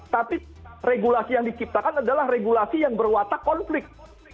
tapi regulasi yang diciptakan adalah regulasi yang berwatak konflik